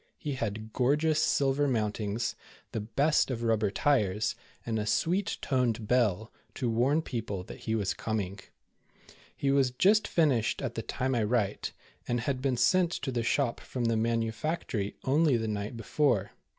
He had gorgeous silver mountings, the best of rubber tires, and a sweet toned bell, to warn people that he was com ing. He w^as just finished at the time I write, and had been sent to the shop from the manufactory only the night before.